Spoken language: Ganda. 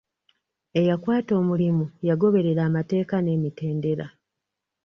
Eyakwata omulimu yagoberera amateeka n'emitendera.